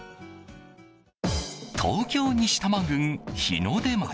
東京・西多摩郡日の出町。